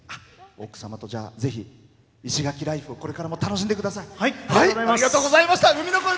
奥様とぜひ石垣ライフをこれからも楽しんでください。